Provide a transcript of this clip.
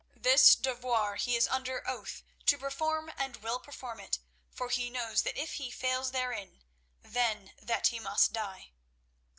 This devoir he is under oath to perform and will perform it, for he knows that if he fails therein, then that he must die.